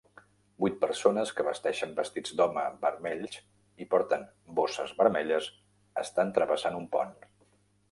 Vuit persones que vesteixen vestits d'home vermells i porten bosses vermelles estan travessant un pont.